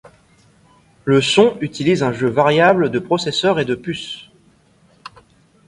Le son utilise un jeu variable de processeurs et de puces.